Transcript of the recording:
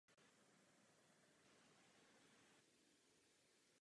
Současné lavice ovšem nejsou původní.